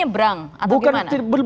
berakhir artinya nyebrang